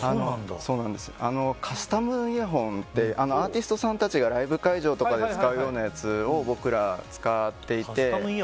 カスタムイヤホンっていうアーティストさんたちがライブ会場とかで使うようなやつを僕ら、使っていて。